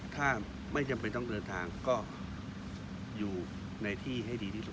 ถ้าไม่จำเป็นต้องเดินทางก็อยู่ในที่ให้ดีที่สุด